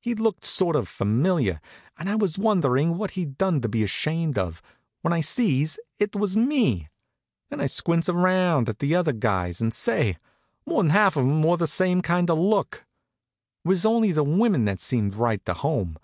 He looked sort of familiar, and I was wondering what he'd done to be ashamed of, when I sees it was me. Then I squints around at the other guys and say, more'n half of 'em wore the same kind of a look. It was only the women that seemed right to home.